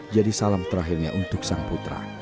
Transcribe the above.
jadi salam terakhirnya untuk sang putra